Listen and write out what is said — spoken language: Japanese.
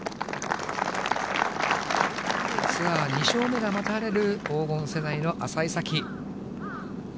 ツアー２勝目が待たれる黄金世代の淺井咲希。